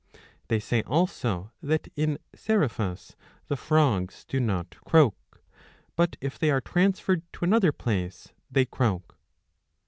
They say also that in Seriphos the frogs do not croak ; 70 but if they are transferred to another place they croak.